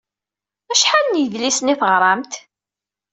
Acḥal n yedlisen i teɣṛamt?